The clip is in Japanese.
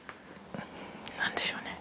何でしょうね？